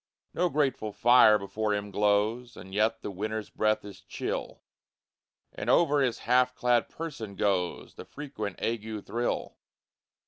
No grateful fire before him glows, And yet the winter's breath is chill; And o'er his half clad person goes The frequent ague thrill!